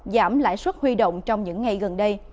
giảm lãi suất huy động trong những ngày gần đây